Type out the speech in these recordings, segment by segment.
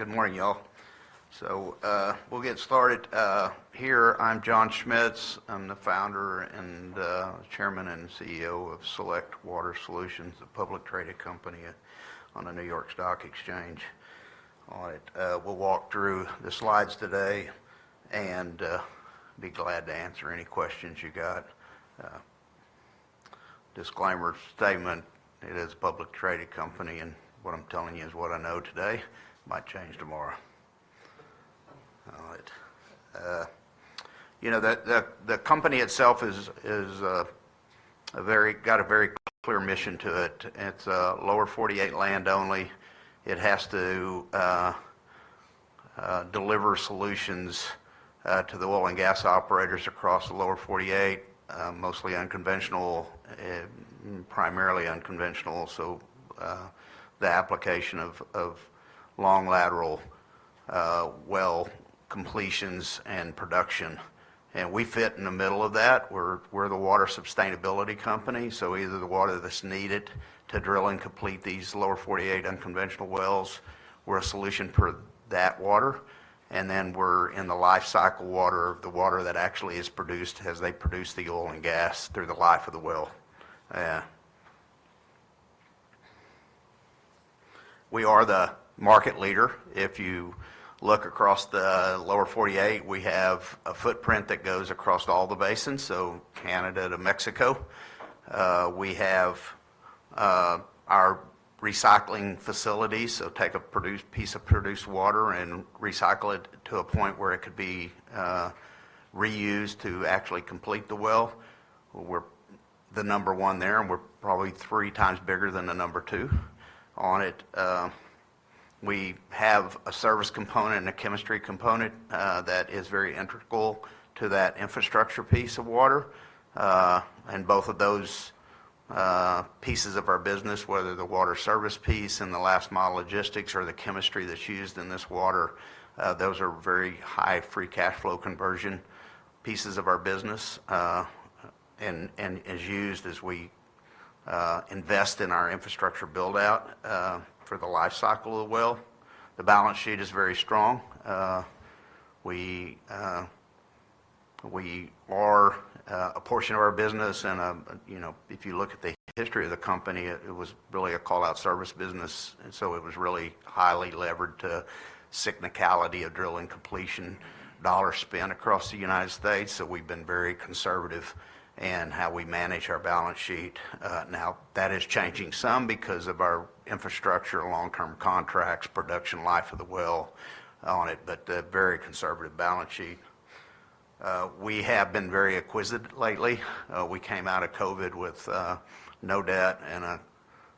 Good morning, y'all, so we'll get started here. I'm John Schmitz. I'm the Founder and Chairman and CEO of Select Water Solutions, a public traded company on the New York Stock Exchange. All right, we'll walk through the slides today, and be glad to answer any questions you got. Disclaimer statement: it is a public traded company, and what I'm telling you is what I know today, might change tomorrow. You know, the company itself is a very clear mission to it. It's Lower 48 land only. It has to deliver solutions to the oil and gas operators across the Lower 48, mostly unconventional, primarily unconventional, so the application of long lateral well completions and production, and we fit in the middle of that. We're the water sustainability company, so either the water that's needed to drill and complete these Lower 48 unconventional wells, we're a solution for that water, and then we're in the lifecycle water, the water that actually is produced as they produce the oil and gas through the life of the well. Yeah. We are the market leader. If you look across the Lower 48, we have a footprint that goes across all the basins, so Canada to Mexico. We have our recycling facilities, so take a piece of produced water and recycle it to a point where it could be reused to actually complete the well. We're the number one there, and we're probably three times bigger than the number two on it. We have a service component and a chemistry component that is very integral to that infrastructure piece of water. And both of those pieces of our business, whether the water service piece and the last mile logistics or the chemistry that's used in this water, those are very high free cash flow conversion pieces of our business, and is used as we invest in our infrastructure build-out for the lifecycle of the well. The balance sheet is very strong. We are a portion of our business, and you know, if you look at the history of the company, it was really a call-out service business, and so it was really highly levered to cyclicality of drilling completion, dollar spend across the United States, so we've been very conservative in how we manage our balance sheet. Now, that is changing some because of our infrastructure, long-term contracts, production life of the well on it, but a very conservative balance sheet. We have been very acquisitive lately. We came out of COVID with no debt and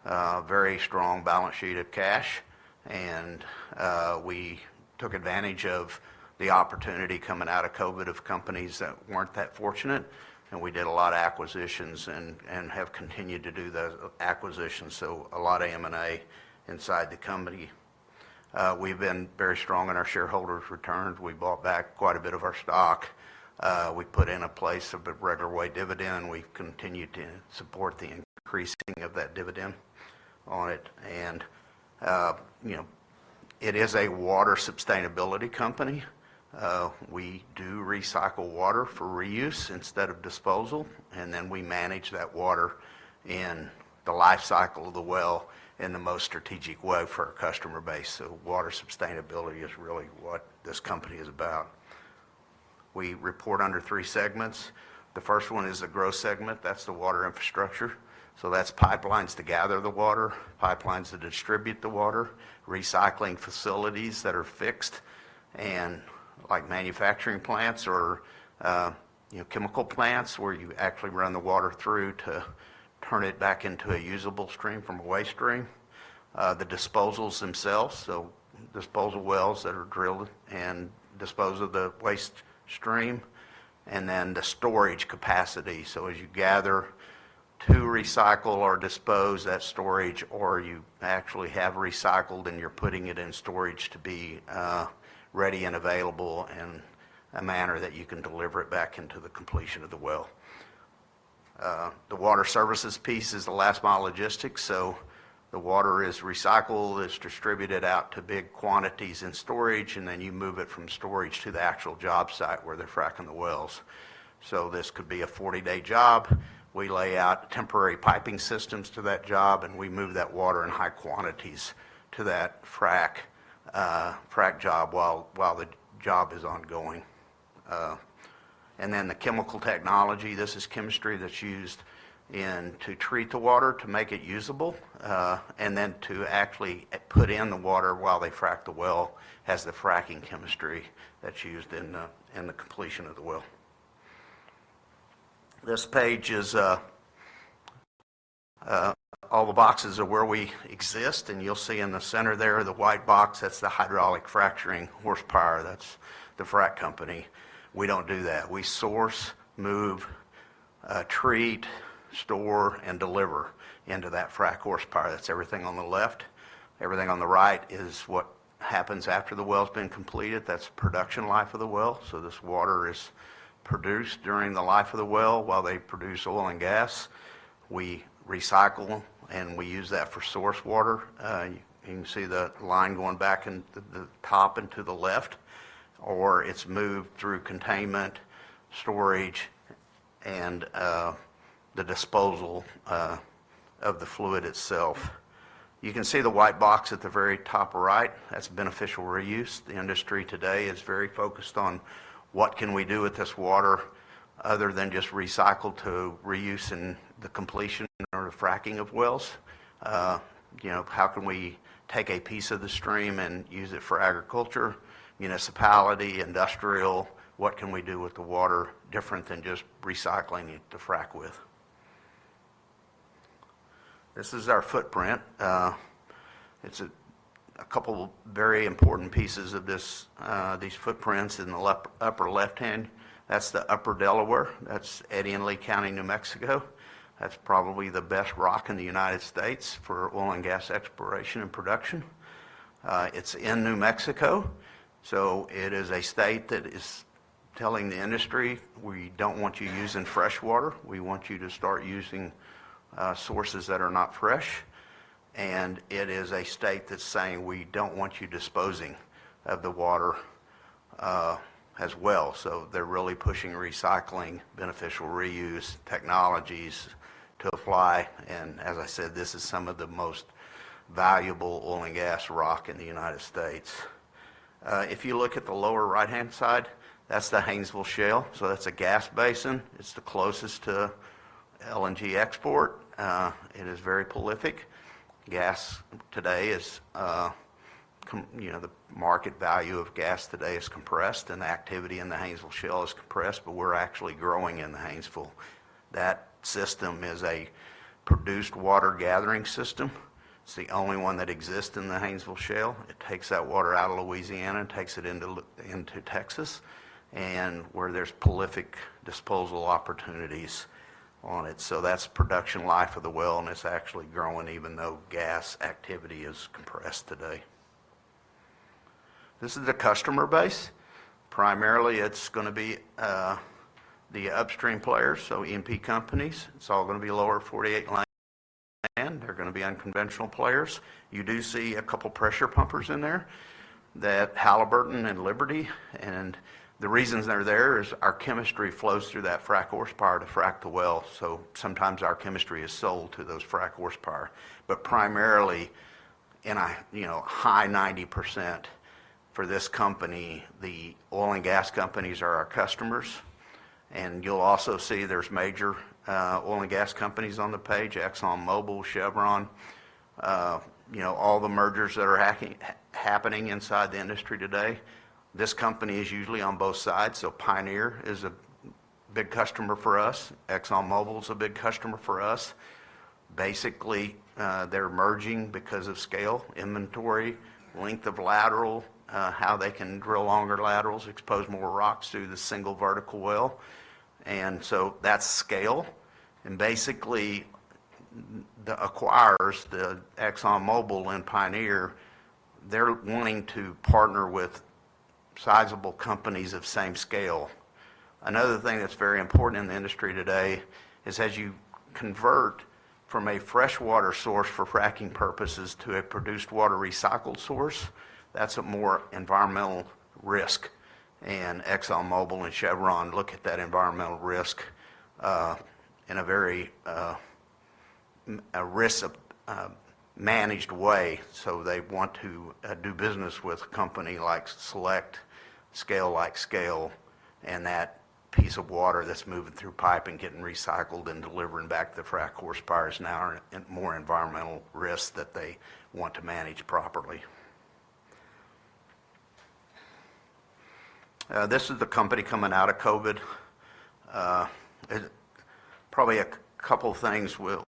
a very strong balance sheet of cash, and we took advantage of the opportunity coming out of COVID of companies that weren't that fortunate, and we did a lot of acquisitions and have continued to do those acquisitions, so a lot of M&A inside the company. We've been very strong in our shareholders' returns. We bought back quite a bit of our stock. We put in place a regular quarterly dividend, and we continue to support the increasing of that dividend on it, and you know, it is a water sustainability company. We do recycle water for reuse instead of disposal, and then we manage that water in the life cycle of the well in the most strategic way for our customer base. So water sustainability is really what this company is about. We report under three segments. The first one is the growth segment, that's the water infrastructure. So that's pipelines to gather the water, pipelines to distribute the water, recycling facilities that are fixed, and like manufacturing plants or, you know, chemical plants where you actually run the water through to turn it back into a usable stream from a waste stream. The disposals themselves, so disposal wells that are drilled and dispose of the waste stream, and then the storage capacity. As you gather to recycle or dispose that storage, or you actually have recycled, and you're putting it in storage to be ready and available in a manner that you can deliver it back into the completion of the well. The water services piece is the last mile logistics, so the water is recycled, it's distributed out to big quantities in storage, and then you move it from storage to the actual job site where they're fracking the wells. This could be a 40-day job. We lay out temporary piping systems to that job, and we move that water in high quantities to that frac job while the job is ongoing. And then the chemical technology, this is chemistry that's used to treat the water, to make it usable, and then to actually put in the water while they frac the well, as the fracking chemistry that's used in the completion of the well. This page is all the boxes of where we exist, and you'll see in the center there, the white box, that's the hydraulic fracturing horsepower, that's the frac company. We don't do that. We source, treat, store, and deliver into that frac horsepower. That's everything on the left. Everything on the right is what happens after the well's been completed. That's production life of the well. So this water is produced during the life of the well, while they produce oil and gas. We recycle, and we use that for source water. You can see the line going back in the top and to the left, or it's moved through containment, storage, and the disposal of the fluid itself. You can see the white box at the very top right, that's beneficial reuse. The industry today is very focused on what can we do with this water, other than just recycle to reuse in the completion or the fracking of wells? You know, how can we take a piece of the stream and use it for agriculture, municipality, industrial? What can we do with the water different than just recycling it to frac with? This is our footprint. It's a couple of very important pieces of this, these footprints in the upper left-hand, that's the Upper Delaware. That's Eddy and Lea Counties, New Mexico. That's probably the best rock in the United States for oil and gas exploration and production. It's in New Mexico, so it is a state that is telling the industry: "We don't want you using fresh water. We want you to start using sources that are not fresh." And it is a state that's saying: "We don't want you disposing of the water as well." So they're really pushing recycling, beneficial reuse, technologies to apply, and as I said, this is some of the most valuable oil and gas rock in the United States. If you look at the lower right-hand side, that's the Haynesville Shale, so that's a gas basin. It's the closest to LNG export. It is very prolific. Gas today is, you know, the market value of gas today is compressed, and the activity in the Haynesville Shale is compressed, but we're actually growing in the Haynesville. That system is a produced water gathering system. It's the only one that exists in the Haynesville Shale. It takes that water out of Louisiana, and takes it into Texas, and where there's prolific disposal opportunities on it. So that's production life of the well, and it's actually growing, even though gas activity is compressed today. This is the customer base. Primarily, it's gonna be the upstream players, so E&P companies. It's all gonna be Lower 48 land. They're gonna be unconventional players. You do see a couple pressure pumpers in there, the Halliburton and Liberty, and the reasons they're there is our chemistry flows through that frac horsepower to frac the well, so sometimes our chemistry is sold to those frac horsepower. But primarily, you know, high 90% for this company, the oil and gas companies are our customers. And you'll also see there's major oil and gas companies on the page: ExxonMobil, Chevron. You know, all the mergers that are happening inside the industry today, this company is usually on both sides. So Pioneer is a big customer for us. ExxonMobil is a big customer for us. Basically, they're merging because of scale, inventory, length of lateral, how they can drill longer laterals, expose more rocks through the single vertical well. That's scale. And basically, the acquirers, the ExxonMobil and Pioneer, they're wanting to partner with sizable companies of same scale. Another thing that's very important in the industry today is, as you convert from a fresh water source for fracking purposes to a produced water recycled source, that's a more environmental risk. And ExxonMobil and Chevron look at that environmental risk in a very risk-managed way, so they want to do business with a company like Select scale, like scale, and that piece of water that's moving through pipe and getting recycled and delivering back to the frac horsepowers now are at more environmental risk that they want to manage properly. This is the company coming out of COVID. It probably a couple things we'll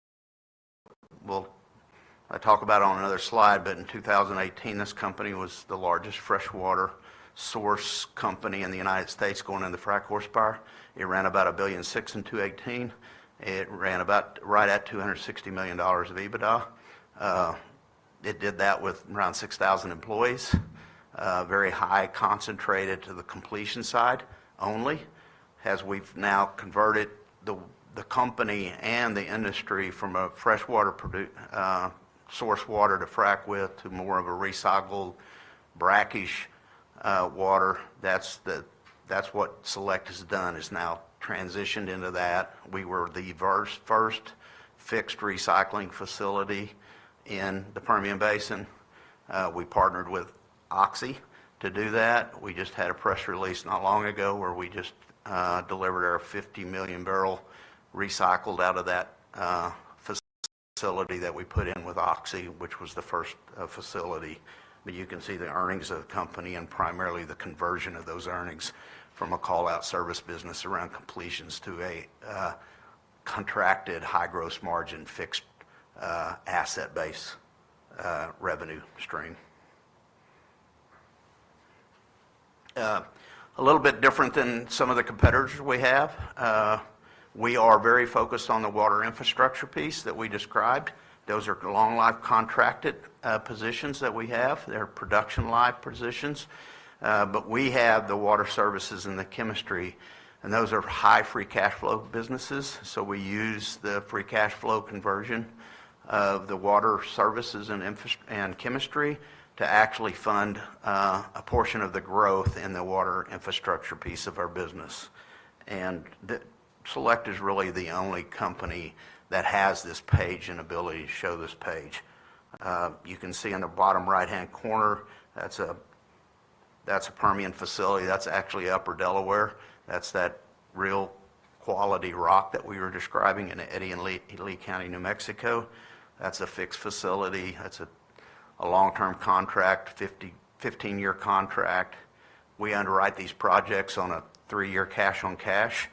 talk about on another slide, but in 2018, this company was the largest fresh water source company in the United States going into frac horsepower. It ran about $1.6 billion in 2018. It ran about right at $260 million of EBITDA. It did that with around 6,000 employees. Very highly concentrated to the completion side only, as we've now converted the company and the industry from a fresh water source water to frac with, to more of a recycled brackish water. That's what Select has done, is now transitioned into that. We were the first fixed recycling facility in the Permian Basin. We partnered with Oxy to do that. We just had a press release not long ago, where we just delivered our 50 million barrels recycled out of that facility that we put in with Oxy, which was the first facility. But you can see the earnings of the company, and primarily the conversion of those earnings from a call-out service business around completions, to a contracted, high gross margin, fixed asset base revenue stream. A little bit different than some of the competitors we have. We are very focused on the water infrastructure piece that we described. Those are long-life contracted positions that we have. They're production-life positions. But we have the water services and the chemistry, and those are high free cash flow businesses, so we use the free cash flow conversion of the water services and infrastructure and chemistry to actually fund a portion of the growth in the water infrastructure piece of our business. And the Select is really the only company that has this page and ability to show this page. You can see in the bottom right-hand corner, that's a Permian facility. That's actually Upper Delaware. That's that real quality rock that we were describing in Eddy and Lea County, New Mexico. That's a fixed facility. That's a long-term contract, 15-year contract. We underwrite these projects on a three-year cash-on-cash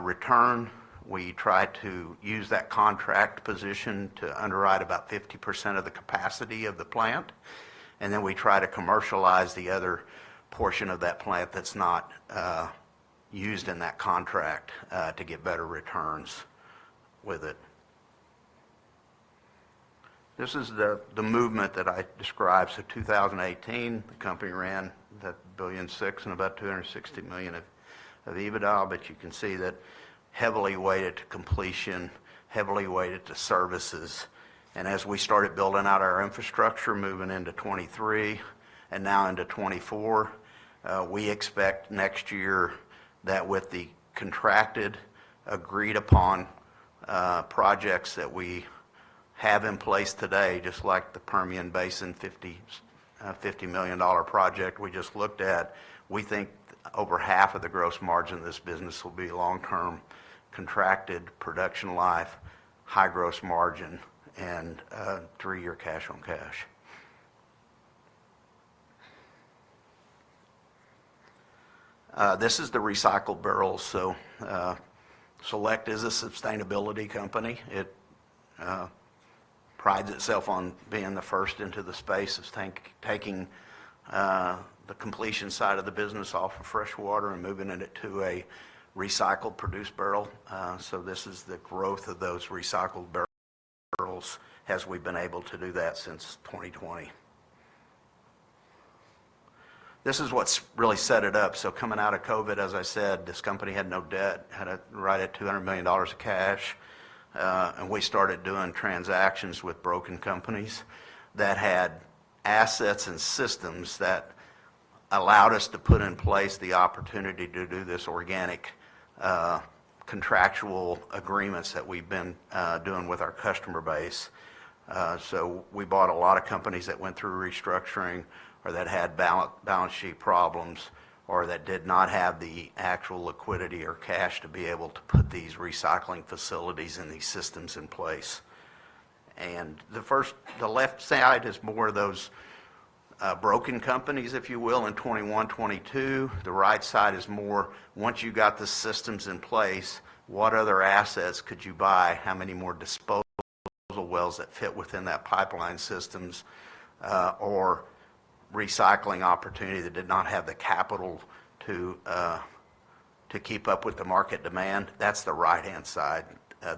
return. We try to use that contract position to underwrite about 50% of the capacity of the plant, and then we try to commercialize the other portion of that plant that's not used in that contract to get better returns with it. This is the movement that I described. So 2018, the company ran that $1.6 billion and about $260 million of EBITDA, but you can see that heavily weighted to completion, heavily weighted to services. As we started building out our infrastructure, moving into 2023 and now into 2024, we expect next year that with the contracted, agreed upon projects that we have in place today, just like the Permian Basin $50 million project we just looked at, we think over half of the gross margin of this business will be long-term, contracted production life, high gross margin, and three-year cash on cash. This is the recycled barrels. So Select is a sustainability company. It prides itself on being the first into the space of taking the completion side of the business off of fresh water and moving it into a recycled produced barrel. So this is the growth of those recycled barrels as we've been able to do that since 2020. This is what's really set it up. Coming out of COVID, as I said, this company had no debt, had right at $200 million of cash. And we started doing transactions with broken companies that had assets and systems that allowed us to put in place the opportunity to do this organic contractual agreements that we've been doing with our customer base. So we bought a lot of companies that went through restructuring or that had balance sheet problems or that did not have the actual liquidity or cash to be able to put these recycling facilities and these systems in place. The left side is more of those broken companies, if you will, in 2021, 2022. The right side is more, once you've got the systems in place, what other assets could you buy? How many more disposal wells that fit within that pipeline systems, or recycling opportunity that did not have the capital to keep up with the market demand? That's the right-hand side,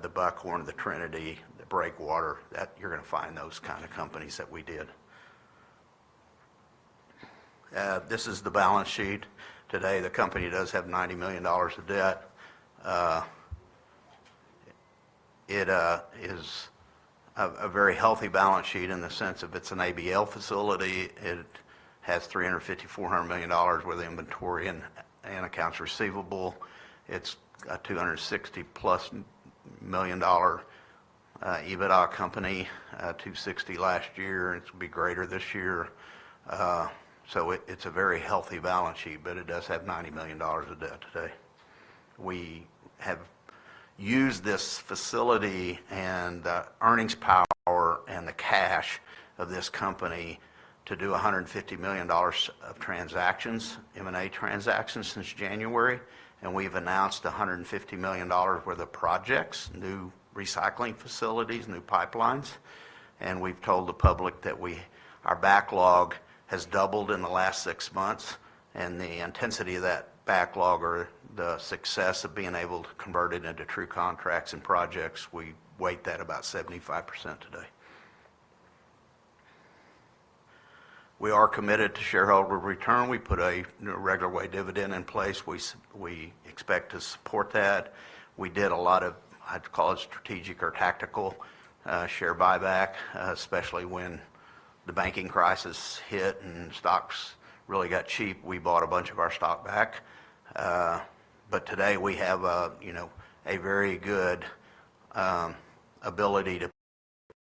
the Buckhorn, the Trinity, the Breakwater, that you're gonna find those kind of companies that we did. This is the balance sheet. Today, the company does have $90 million of debt. It is a very healthy balance sheet in the sense of it's an ABL facility. It has $350 million-$400 million worth of inventory and accounts receivable. It's a $260+ million EBITDA company, $260 last year, and it's be greater this year. So, it's a very healthy balance sheet, but it does have $90 million of debt today. We have used this facility and earnings power and the cash of this company to do $150 million of transactions, M&A transactions, since January. And we've announced $150 million worth of projects, new recycling facilities, new pipelines, and we've told the public that we our backlog has doubled in the last six months, and the intensity of that backlog or the success of being able to convert it into true contracts and projects, we weight that about 75% today. We are committed to shareholder return. We put a regular way dividend in place. We expect to support that. We did a lot of, I'd call it strategic or tactical, share buyback, especially when the banking crisis hit and stocks really got cheap. We bought a bunch of our stock back. But today we have a, you know, a very good ability to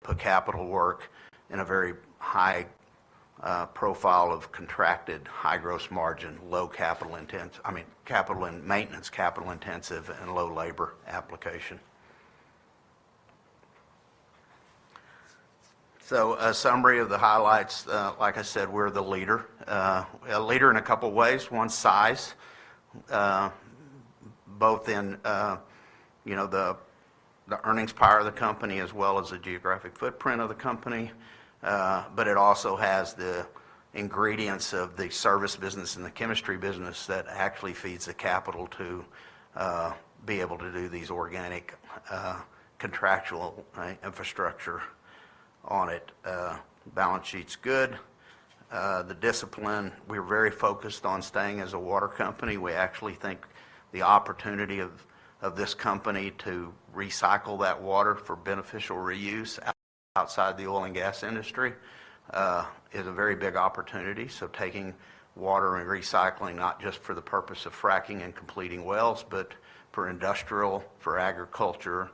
put capital work in a very high profile of contracted, high gross margin, low capital intense, I mean, capital and maintenance, capital intensive, and low labor application. So a summary of the highlights. Like I said, we're the leader, a leader in a couple of ways. One, size both in, you know, the earnings power of the company as well as the geographic footprint of the company. But it also has the ingredients of the service business and the chemistry business that actually feeds the capital to be able to do these organic, contractual, right, infrastructure on it. Balance sheet's good. The discipline, we're very focused on staying as a water company. We actually think the opportunity of this company to recycle that water for beneficial reuse outside the oil and gas industry is a very big opportunity. So taking water and recycling, not just for the purpose of fracking and completing wells, but for industrial, for agriculture,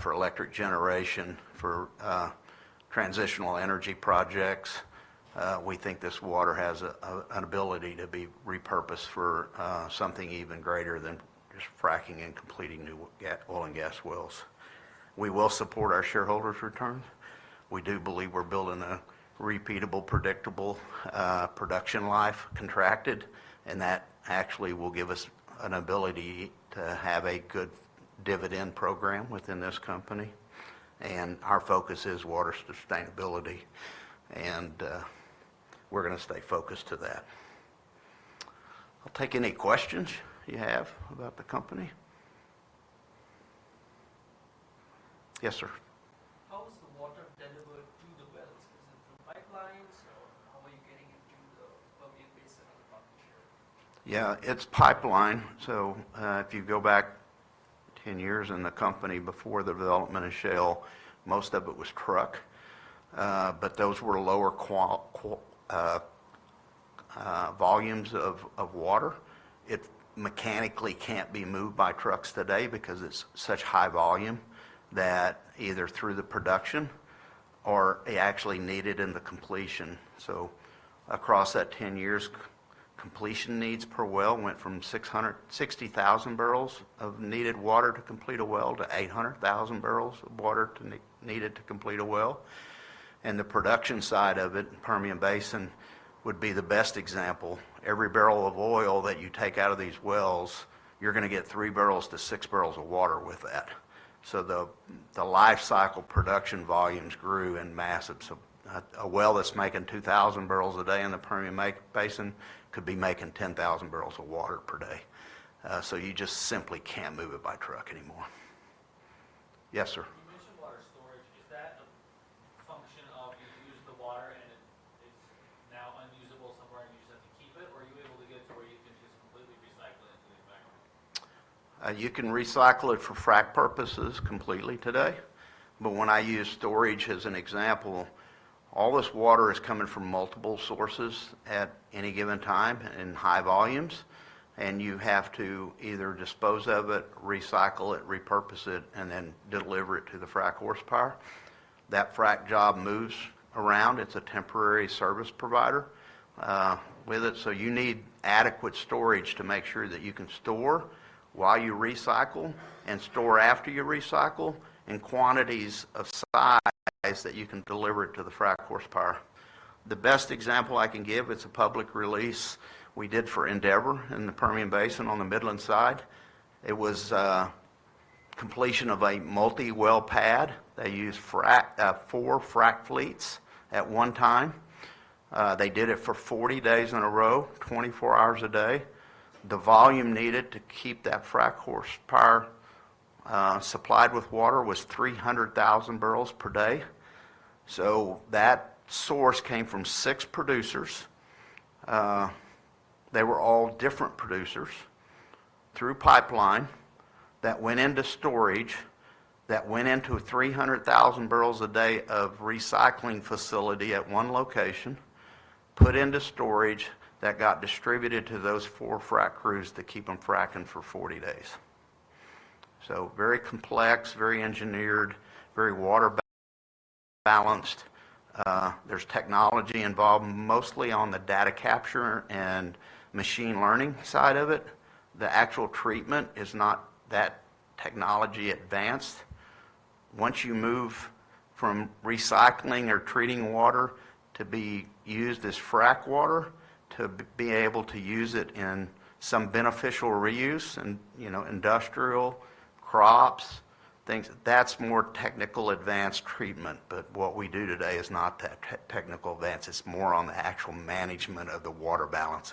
for electric generation, for transitional energy projects. We think this water has an ability to be repurposed for something even greater than just fracking and completing new oil and gas wells. We will support our shareholders' return. We do believe we're building a repeatable, predictable production life contracted, and that actually will give us an ability to have a good dividend program within this company. Our focus is water sustainability, and we're gonna stay focused to that. I'll take any questions you have about the company. Yes, sir? How is the water delivered to the wells? Is it through pipelines, or how are you getting it to the Permian Basin or the Permian Shale? Yeah, it's pipeline. So, if you go back 10 years in the company before the development of shale, most of it was truck. But those were lower quality volumes of water. It mechanically can't be moved by trucks today because it's such high volume that either through the production or actually needed in the completion. So across that 10 years, completion needs per well went from 660,000 barrels of needed water to complete a well, to 800,000 barrels of water needed to complete a well. And the production side of it, Permian Basin, would be the best example. Every barrel of oil that you take out of these wells, you're gonna get three barrels to six barrels of water with that. So the life cycle production volumes grew immensely. So, a well that's making 2,000 barrels a day in the Permian Basin could be making 10,000 barrels of water per day. So you just simply can't move it by truck anymore. Yes, sir? You mentioned water storage. Is that a function of you've used the water and it's now unusable somewhere, and you just have to keep it? Or are you able to get it to where you can just completely recycle it into the environment? You can recycle it for frac purposes completely today, but when I use storage as an example, all this water is coming from multiple sources at any given time in high volumes, and you have to either dispose of it, recycle it, repurpose it, and then deliver it to the frac horsepower. That frac job moves around. It's a temporary service provider with it, so you need adequate storage to make sure that you can store while you recycle and store after you recycle, in quantities of size that you can deliver it to the frac horsepower. The best example I can give. It's a public release we did for Endeavor in the Permian Basin on the Midland side. It was completion of a multi-well pad. They used four frac fleets at one time. They did it for 40 days in a row, 24 hours a day. The volume needed to keep that frac horsepower supplied with water was 300,000 barrels per day. So that source came from six producers, they were all different producers, through pipeline, that went into storage, that went into 300,000 barrels a day of recycling facility at one location, put into storage, that got distributed to those four frac crews to keep them fracking for 40 days. So very complex, very engineered, very water balanced. There's technology involved, mostly on the data capture and machine learning side of it. The actual treatment is not that technology advanced. Once you move from recycling or treating water to be used as frac water, to be able to use it in some beneficial reuse, in, you know, industrial crops, things, that's more technical advanced treatment. But what we do today is not that technical advanced, it's more on the actual management of the water balancing.